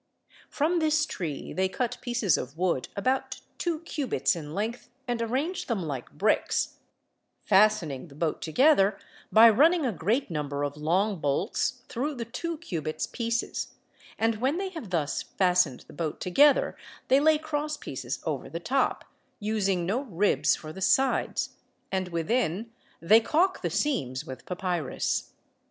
From this tree they cut pieces of wood about two cubits in length and arrange them like bricks, fastening the boat together by running a great number of long bolts through the two cubits pieces; and when they have thus fastened the boat together, they lay cross pieces over the top, using no ribs for the sides; and within they caulk the seams with papyrus.